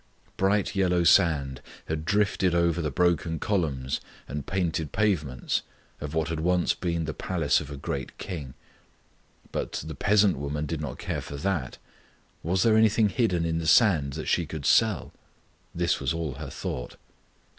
Bright yellow sand had drifted over the broken columns and painted pavements of what had once been the palace of a great king. But the peasant woman did not care for that. Was there anything hidden in the sand that she could sell? This was all her thought.